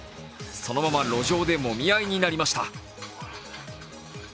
そのまま路上でもみ合いになりました。